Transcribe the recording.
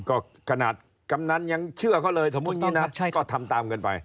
ก็ขนาดกำนันยังเชื่อเขาเลยสมมุติอย่างนี้นะก็ทำตามกันไป